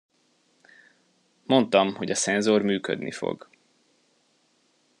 Mondtam, hogy a szenzor működni fog.